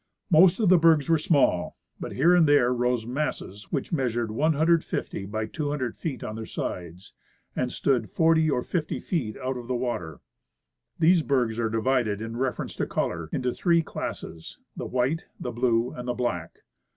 Most of the bergs were small, but here and there rose masses which measured 150 by 200 feet on their sides and stood 40 or 50 feet out of the water. The bergs are divided, in reference to color, into three classes — the white, the blue, and the black.